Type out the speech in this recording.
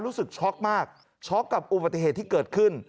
ช็อกมากช็อกกับอุบัติเหตุที่เกิดขึ้น